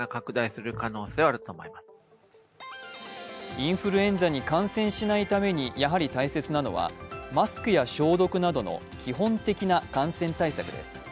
インフルエンザに感染しないためにやはり大切なのは、マスクや消毒などの基本的な感染対策です。